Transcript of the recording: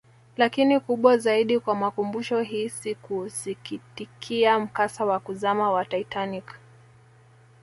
Lakini kubwa zaidi kwa makumbusho hii si kuusikitikia mkasa wa kuzama wa Titanic